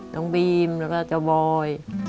น้องบีมแล้วก็เจ้าบอย